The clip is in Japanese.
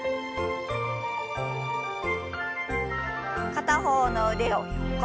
片方の腕を横。